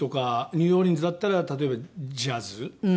ニューオーリンズだったら例えばジャズ。